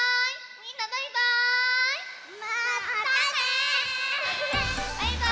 みんなバイバーイ！